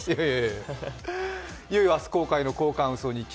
いよいよ明日公開の「交換ウソ日記」。